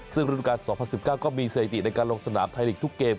ซึ่งฤดูการ๒๐๑๙ก็มีสถิติในการลงสนามไทยลีกทุกเกม